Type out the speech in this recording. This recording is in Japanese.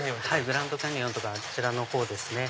グランドキャニオンとかあちらのほうですね。